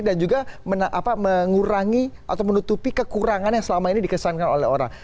dan juga mengurangi atau menutupi kekurangan yang selama ini dikesankan oleh orang